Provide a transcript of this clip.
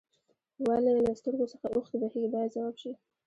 ولې له سترګو څخه اوښکې بهیږي باید ځواب شي.